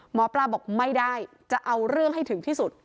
หมอปลาบอกไม่ได้จะเอาเรื่องให้ถึงที่สุด